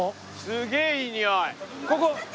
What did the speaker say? すげえいいにおい！